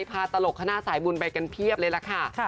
ตลกคณะสายบุญไปกันเพียบเลยล่ะค่ะ